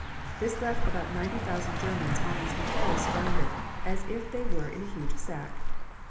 This left about ninety thousand Germans almost entirely surrounded, as if they were in a huge sack.